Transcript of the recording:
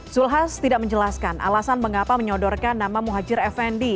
zulhas tidak menjelaskan alasan mengapa menyodorkan nama muhajir effendi